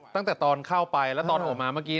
ตั้งแต่ตอนเข้าไปแล้วตอนโผล่มาเมื่อกี้